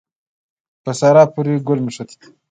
په سارا پورې ګل مښتی دی.